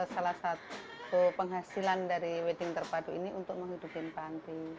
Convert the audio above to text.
salah satu penghasilan dari wedding terpadu ini untuk menghidupin panti